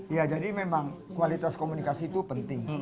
ya jadi memang kualitas komunikasi itu penting